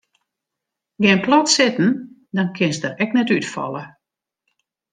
Gean plat sitten dan kinst der ek net útfalle.